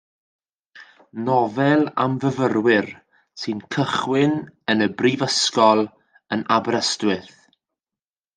Nofel am fyfyrwyr sy'n cychwyn yn y brifysgol yn Aberystwyth.